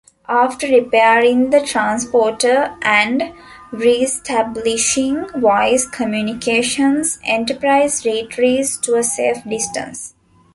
After repairing the transporter and reestablishing voice communications, "Enterprise" retreats to a safe distance.